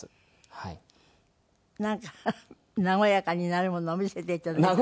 なんか和やかになるものを見せて頂けますか？